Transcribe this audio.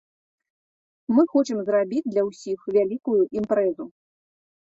Мы хочам зрабіць для ўсіх вялікую імпрэзу.